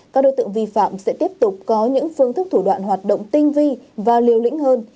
các đối tượng vi phạm sẽ tiếp tục có những phương thức thủ đoạn hoạt động tinh vi và liều lĩnh hơn